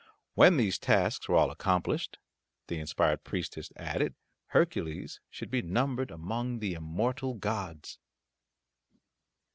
When these tasks were all accomplished, the inspired priestess added, Hercules should be numbered among the immortal gods.